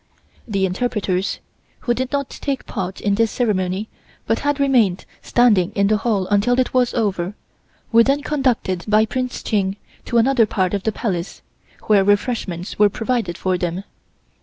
The interpreters, who did not take part in this ceremony but had remained standing in the Hall until it was over, were then conducted by Prince Ching to another part of the Palace, where refreshments were provided for them.